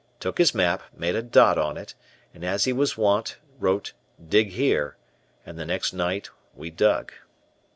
Took his map, made a dot on it, and as he was wont, wrote "dig here," and the next night we dug.